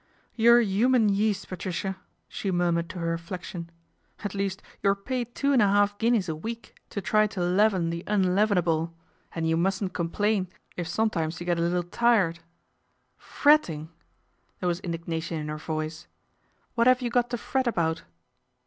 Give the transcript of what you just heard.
You're human yeast, Patricia !" she rmiF nared to her reflection ; "at least you're paid wo and a half guineas a week to try to leaven he unleavenable, and you musn t complain if 240 PATRICIA BRENT, SPINSTER sometimes you get a little tired. Fretting !" There was indignation in her voice. " What have you got to fret about